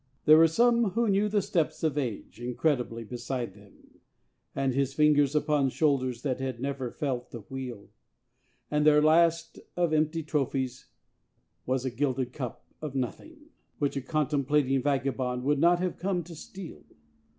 There were some who knew the steps of Age incredibly beside them, And his fingers upon shoulders that had never felt the wheel; And their last of empty trophies was a gilded cup of nothing, Which a contemplating vagabond would not have come to steal.